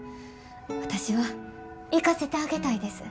私は行かせてあげたいです。